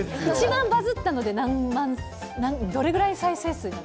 一番バズったので何万、どれぐらいの再生数？